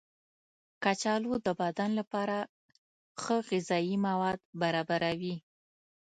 کچالو د بدن لپاره ښه غذايي مواد برابروي.